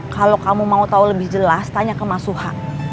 kalau kamu mau tahu lebih jelas tanya ke mas suha